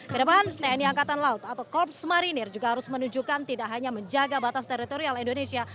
kedepan tni angkatan laut atau korps marinir juga harus menunjukkan tidak hanya menjaga batas teritorial indonesia